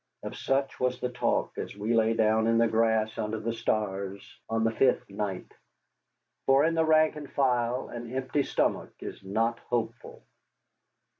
Of such was the talk as we lay down in the grass under the stars on the fifth night. For in the rank and file an empty stomach is not hopeful.